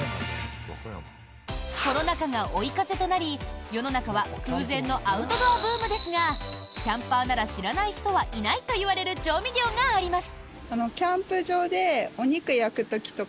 コロナ禍が追い風となり世の中は空前のアウトドアブームですがキャンパーなら知らない人はいないといわれる調味料があります。